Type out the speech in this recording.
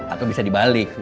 atau bisa dibalik